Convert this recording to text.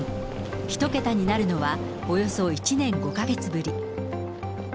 １桁になるのは、およそ１年５か月ぶり。